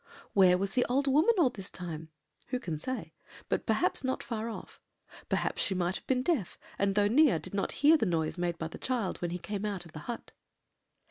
"Where was the old woman all this time? who can say? but perhaps not far off; perhaps she might have been deaf, and, though near, did not hear the noise made by the child when he came out of the hut.